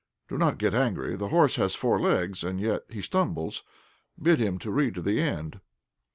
Do not get angry; the horse has four legs, and yet he stumbles. Bid him read to the end."